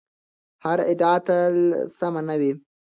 هره ادعا تل سمه نه وي.